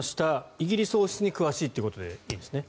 イギリス王室に詳しいということでいいんですね？